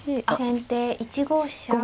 先手１五飛車。